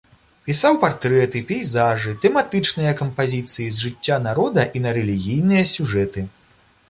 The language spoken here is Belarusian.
Пісаў партрэты, пейзажы, тэматычныя кампазіцыі з жыцця народа і на рэлігійныя сюжэты.